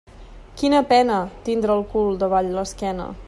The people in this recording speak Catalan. Quina pena, tindre el cul davall l'esquena.